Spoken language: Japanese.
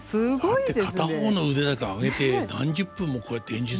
だって片方の腕だけ上げて何十分もこうやって演じ続けるわけでしょ。